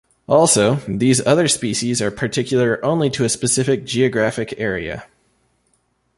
Also, these other species are particular only to a specific geographic area.